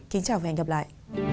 kính chào và hẹn gặp lại